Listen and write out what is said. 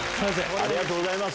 ありがとうございます。